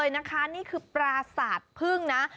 นี่คือปราสาทพึ่งนะ